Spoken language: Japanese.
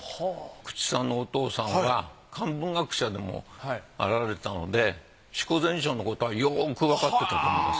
福地さんのお父さんは漢文学者でもあられたので『四庫全書』のことはよくわかってたと思います。